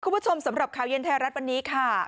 คุณผู้ชมสำหรับข่าวเย็นไทยรัฐวันนี้ค่ะ